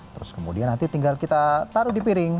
terus kemudian nanti tinggal kita taruh di piring